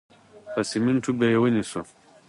په سمینټو کې به یې ونیسو.